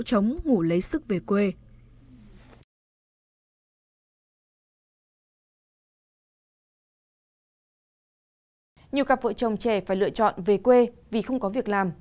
để ngủ lấy sức về quê nhiều cặp vợ chồng trẻ phải lựa chọn về quê vì không có việc làm